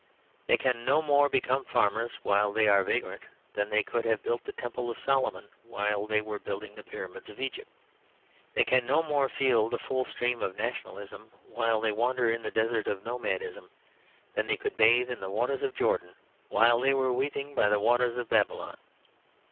They can no more become farmers while they are vagrant than they could have built the Temple of Solomon while they were building the Pyramids of Egypt. They can no more feel the full stream of nationalism while they wander in the desert of nomadism than they could bathe in the waters of Jordan while they were weeping by the waters of Babylon.